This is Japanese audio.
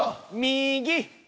右！